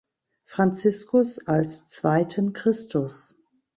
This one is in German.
Franziskus als „zweiten Christus“.